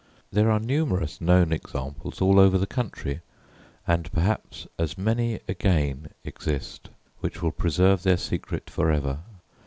There are numerous known examples all over the country, and perhaps as many again exist, which will preserve their secret for ever.